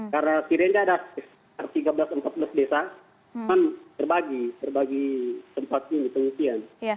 karena di lende ada tiga belas empat belas desa kan terbagi terbagi tempat ini pengungsian